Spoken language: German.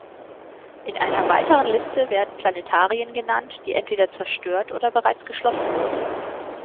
In einer weiteren Liste werden Planetarien genannt, die entweder zerstört oder bereits geschlossen wurden.